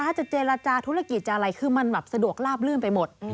จะเจรจาธุรกิจจะอะไรคือมันแบบสะดวกลาบลื่นไปหมด